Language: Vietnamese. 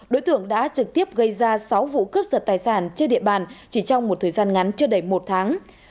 đối tượng đã trực tiếp gây ra sáu vụ cướp giật tài sản trên địa bàn chỉ trong một thời gian ngắn chưa đầy một tháng